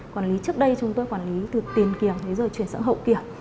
quản lý trước đây chúng tôi quản lý từ tiền kiểm đến chuyển sẵn hậu kiểm